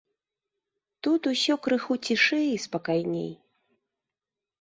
Тут усё крыху цішэй і спакайней.